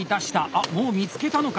あもう見つけたのか？